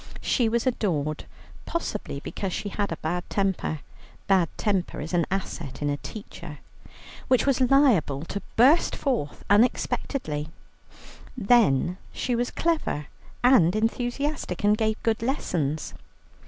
She was adored, possibly because she had a bad temper (bad temper is an asset in a teacher), which was liable to burst forth unexpectedly; then she was clever and enthusiastic, and gave good lessons.